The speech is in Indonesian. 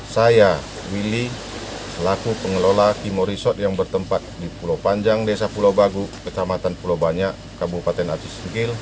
saya willy selaku pengelola timor resort yang bertempat di pulau panjang desa pulau bagu kecamatan pulau banyak kabupaten artis singgil